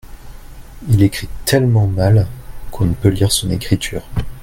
Il écrit tellement mal qu'on ne peut lire son écriture.